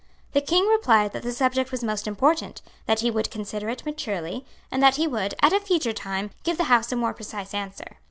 The King replied that the subject was most important, that he would consider it maturely, and that he would, at a future time, give the House a more precise answer.